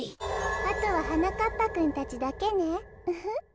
あとははなかっぱくんたちだけねウフッ。